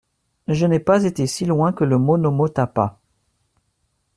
Je n'ai pas été si loin que le Monomotapa.